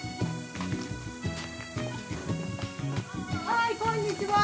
はいこんにちは。